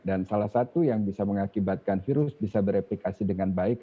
dan salah satu yang bisa mengakibatkan virus bisa bereplikasi dengan baik